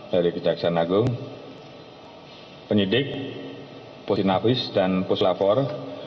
dari kejaksaan agung penyidik posinavis dan poslapor